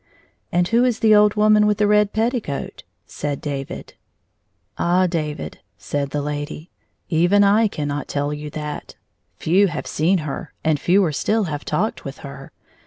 " And who is the old woman with the red pet ticoat ?" said David. " Ah, David," said the lady, " even I cannot tell you that. Few have seen her, and fewer still have talked with her.